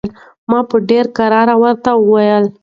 ما په ډېرې کرارۍ ورته وویل.